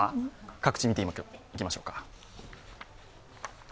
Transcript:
各地見ていきましょうか。